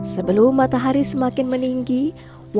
segera mengant ming komisi beri tunggu